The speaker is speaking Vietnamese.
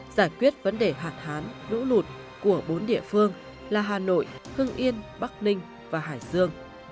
giải quyết vấn đề hạn hán lũ lụt của bốn địa phương là hà nội hưng yên bắc ninh và hải dương